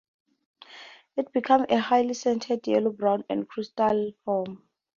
It becomes a highly scented, yellow-brown crystalline form.